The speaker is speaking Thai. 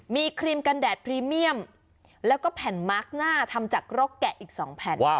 มีครีมกันแดดพรีเมียมแล้วก็แผ่นมาร์คหน้าทำจากรกแกะอีก๒แผ่น